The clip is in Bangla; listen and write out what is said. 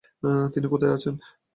তিনি কোথায় আছেন?